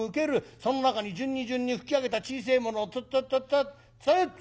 その中に順に順に拭き上げた小せえものをツッツッツッツッツッそう！